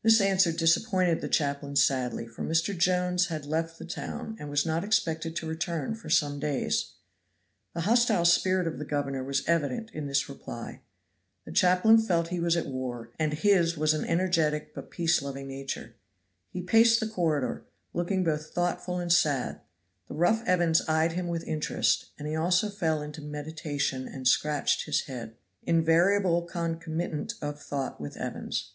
This answer disappointed the chaplain sadly; for Mr. Jones had left the town, and was not expected to return for some days. The hostile spirit of the governor was evident in this reply. The chaplain felt he was at war, and his was an energetic but peace loving nature. He paced the corridor, looking both thoughtful and sad. The rough Evans eyed him with interest, and he also fell into meditation and scratched his head, invariable concomitant of thought with Evans.